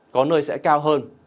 có nơi sẽ cao hơn